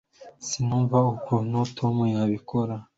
sinumva ukuntu tom yabikora